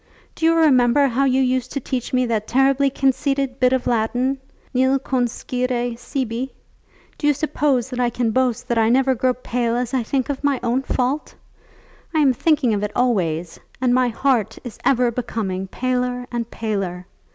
Do you remember how you used to teach me that terribly conceited bit of Latin, Nil conscire sibi? Do you suppose that I can boast that I never grow pale as I think of my own fault? I am thinking of it always, and my heart is ever becoming paler and paler.